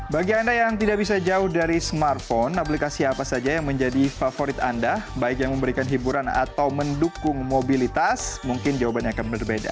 bagi anda yang tidak bisa jauh dari smartphone aplikasi apa saja yang menjadi favorit anda baik yang memberikan hiburan atau mendukung mobilitas mungkin jawabannya akan berbeda